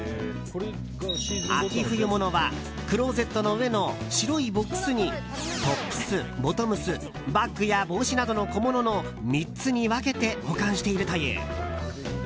秋冬物は、クローゼットの上の白いボックスにトップス、ボトムスバッグや帽子などの小物の３つに分けて保管しているという。